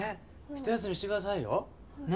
一休みしてくださいよ。ね。